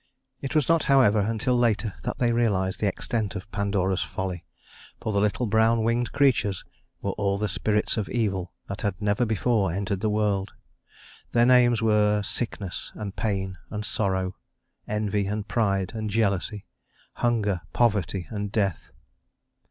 It was not, however, until later that they realized the extent of Pandora's folly, for the little brown winged creatures were all the spirits of evil that had never before entered the world. Their names were Sickness and Pain and Sorrow; Envy and Pride and Jealousy; Hunger, Poverty, and Death.